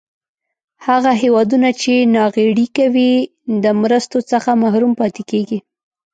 هغه هېوادونه چې ناغیړي کوي د مرستو څخه محروم پاتې کیږي.